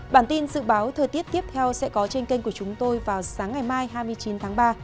bản tin dự báo thời tiết tiếp theo sẽ có trên kênh của chúng tôi vào sáng ngày mai hai mươi chín tháng ba